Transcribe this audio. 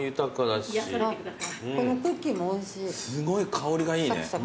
すごい香りがいいね。